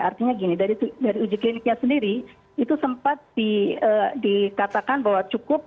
artinya gini dari uji kliniknya sendiri itu sempat dikatakan bahwa cukup